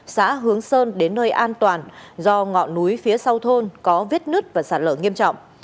xã hướng sơn đến nơi an toàn do ngọn núi phía sau thôn có vết nứt và sạt lở nghiêm trọng